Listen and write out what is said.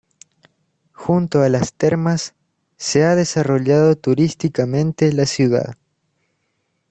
Junto a las termas, se ha desarrollado turísticamente la ciudad.